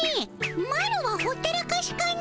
マロはほったらかしかの。